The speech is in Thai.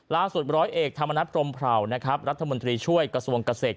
ล่าสุดร้อยเอกธรรมนัฏพรมพราวรัฐมนตรีช่วยกระทรวงเกษตร